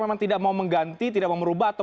memang tidak mau mengganti tidak mau merubah atau